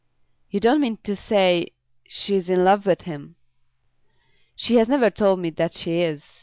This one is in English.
"You don't mean to say she's in love with him?" "She has never told me that she is.